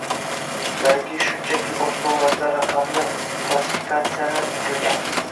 Balki shunchaki boshqa viloyatlar raqamlar falsifikatsiyasini qilgan